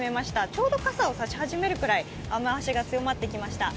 ちょうど傘を差し始めるくらい、雨足が強まってきました。